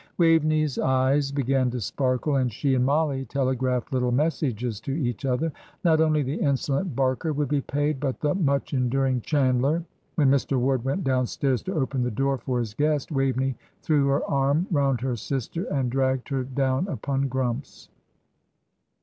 Waveney's eyes began to sparkle, and she and Mollie telegraphed little messages to each other. Not only the insolent Barker would be paid, but the much enduring Chandler. When Mr. Ward went downstairs to open the door for his guest, Waveney threw her arm round her sister, and dragged her down upon Grumps.